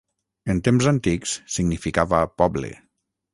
En temps antics significava poble.